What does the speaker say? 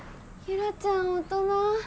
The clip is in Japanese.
ユラちゃん大人。